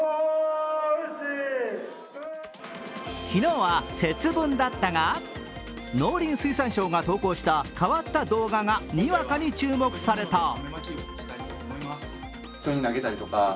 昨日は節分だったが、農林水産省が投稿した変わった動画がにわかに注目された。